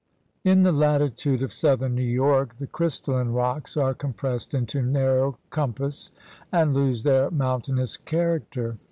In the latitude of southern New York the crys talline rocks are compressed into narrow compass and lose their mountainous character.